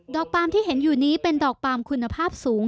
ปามที่เห็นอยู่นี้เป็นดอกปาล์มคุณภาพสูง